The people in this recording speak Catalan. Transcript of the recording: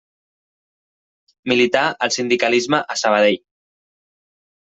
Milità al sindicalisme a Sabadell.